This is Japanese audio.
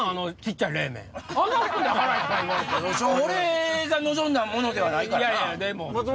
俺が望んだものではないからな。